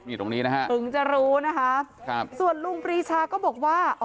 นี่ตรงนี้นะฮะถึงจะรู้นะคะครับส่วนลุงปรีชาก็บอกว่า